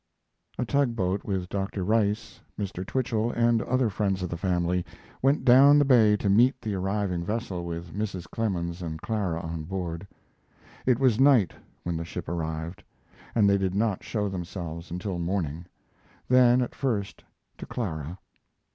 A tugboat with Dr. Rice, Mr. Twichell, and other friends of the family went down the bay to meet the arriving vessel with Mrs. Clemens and Clara on board. It was night when the ship arrived, and they did not show themselves until morning; then at first to Clara.